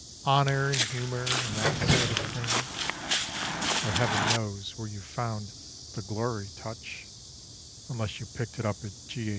_) Honour and humour, and that sort of thing; (Though heaven knows where you found the glory touch, Unless you picked it up at G.